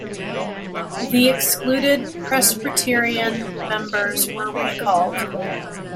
The excluded Presbyterian members were recalled.